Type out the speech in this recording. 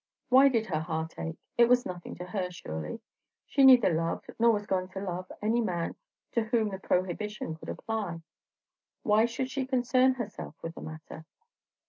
Why did her heart ache? It was nothing to her, surely; she neither loved nor was going to love any man to whom the prohibition could apply. Why should she concern herself with the matter?